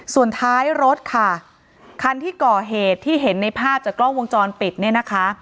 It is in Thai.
ส่วนท้ายรถค่ะคันที่ก่อเหตุที่เห็นในภาพจากกล้องวงจรปิดเนี่ยนะคะ